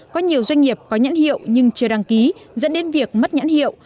có nhiều doanh nghiệp có nhãn hiệu nhưng chưa đăng ký dẫn đến việc mất nhãn hiệu